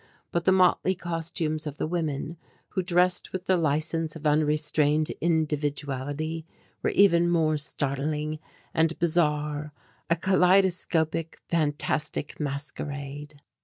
But the motley costumes of the women, who dressed with the license of unrestrained individuality, were even more startling and bizarre a kaleidoscopic fantastic masquerade.